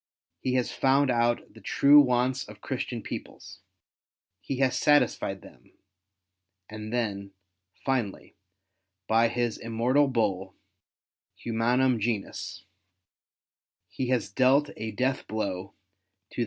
He has found out the true wants of Christian peoples. He has satisfied them : and then, finally, by his immortal Bull, Humanum Genus, he has dealt a death blow to the 158 WAR OF ANTICHRIST WITH THE CHURCH.